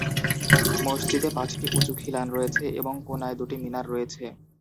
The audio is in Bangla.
মসজিদে পাঁচটি উঁচু খিলান রয়েছে এবং কোণায় দুটি মিনার রয়েছে।